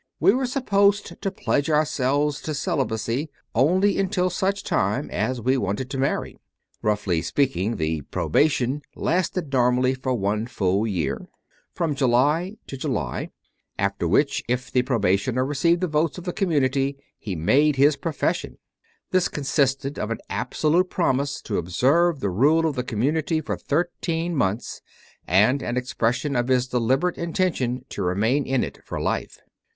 We were supposed to pledge ourselves to celibacy only until such time as we wanted to 64 CONFESSIONS OF A CONVERT marry. Roughly speaking, the probation lasted normally for one full year from July to July after which, if the probationer received the votes of the community, he made his profession. This con sisted of an absolute promise to observe the rule of the community for thirteen months, and an expres sion of his deliberate intention to remain in it for life.